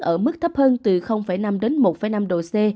ở mức thấp hơn từ năm đến một năm độ c